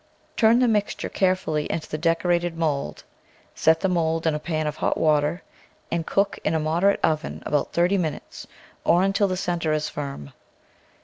Turn the mixture carefully into the decorated mould, set the mould in a pan of hot water, and cook in a moderate oven about thirty minutes, or until the centre is firm.